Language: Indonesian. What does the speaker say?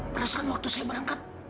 perasaan waktu saya berangkat